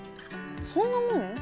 そんなもん？